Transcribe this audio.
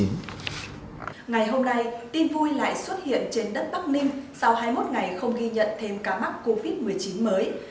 ngày hôm nay tin vui lại xuất hiện trên đất bắc ninh sau hai mươi một ngày không ghi nhận thêm ca mắc covid một mươi chín mới